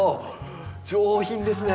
上品ですね。